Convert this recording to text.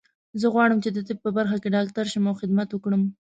زه غواړم چې د طب په برخه کې ډاکټر شم او خدمت وکړم